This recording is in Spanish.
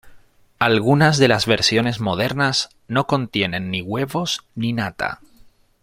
Algunas de las versiones modernas no contienen ni huevos ni nata.